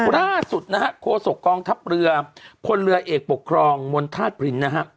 ล่าสุดโฆษกองทัพเรือพลเรือเอกปกครองมณฑาตรปรินทร์